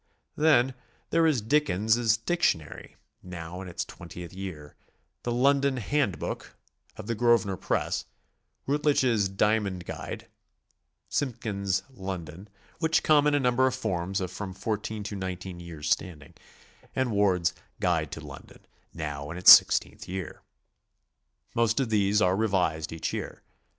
Then there is Dickens's "Dic tionary," now in its twentie'di year, the "London Hand book" of the Gro svenor Press, Routledge's "Diamond Guide," Simpkins's "London," which come in a number of forms of from 14 to 19 years standing, and Ward's "Guide to Lon don," now in its sixteenth year. Most of these are revised each year.